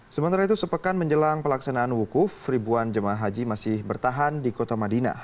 sementara itu sepekan menjelang pelaksanaan wukuf ribuan jemaah haji masih bertahan di kota madinah